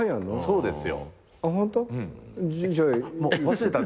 そうです。